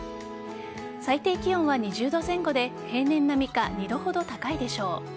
最低気温は２０度前後で平年並みか２度ほど高いでしょう。